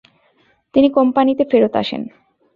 তিনি কোম্পানিতে ফেরত আসেন।